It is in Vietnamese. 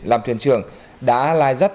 làm thuyền trưởng đã lai dắt